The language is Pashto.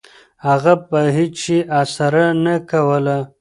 هغه په هیڅ شي اسره نه کوله. .